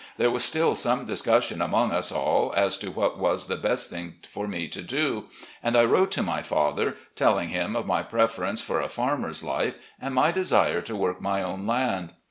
There was still some discussion among us all as to what was the best thing for me to do, and I wrote to my father, telling him of my preference for a farmer's life and my desire to work my own land.